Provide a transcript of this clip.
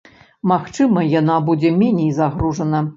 Магчыма яна будзе меней загружана.